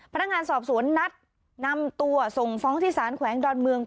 พนักงานสอบสวนนัดนำตัวส่งฟ้องที่สารแขวงดอนเมือง